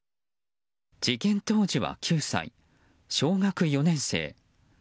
事件当時は９歳、小学４年生。